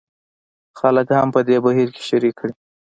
خلک هم په دې بهیر کې شریک کړي.